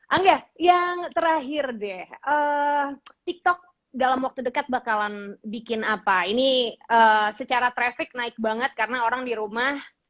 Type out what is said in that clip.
angga yang terakhir deh tiktok dalam waktu dekat bakalan bikin apa ini secara traffic naik banget karena orang di rumah